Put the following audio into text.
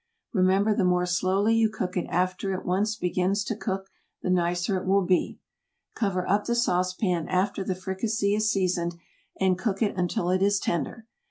Remember the more slowly you cook it after it once begins to cook, the nicer it will be. Cover up the sauce pan after the fricassee is seasoned, and cook it until it is tender.